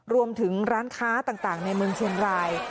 รวมถึงร้านค้าต่างในเมืองเชียงราย